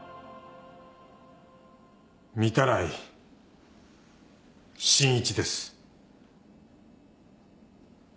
御手洗真一です。